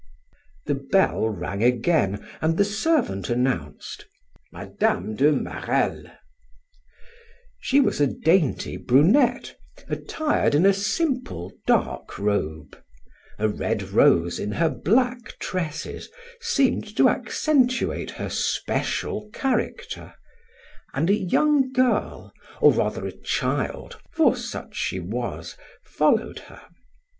The bell rang again and the servant announced: "Mme. de Marelle." She was a dainty brunette, attired in a simple, dark robe; a red rose in her black tresses seemed to accentuate her special character, and a young girl, or rather a child, for such she was, followed her.